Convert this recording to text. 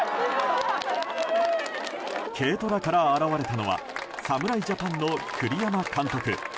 軽トラから現れたのは侍ジャパンの栗山監督。